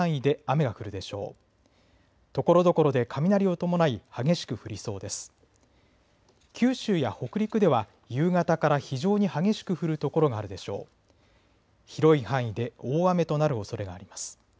広い範囲で大雨となるおそれがあります。